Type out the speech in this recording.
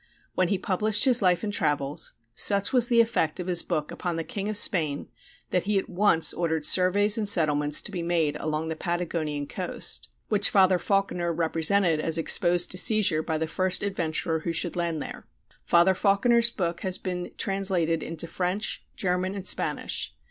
When he published his life and travels, such was the effect of his book upon the king of Spain that he at once ordered surveys and settlements to be made along the Patagonian coast, which Father Falkiner represented as exposed to seizure by the first adventurer who should land there. Father Falkiner's book has been translated into French, German, and Spanish.